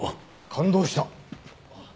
感動した！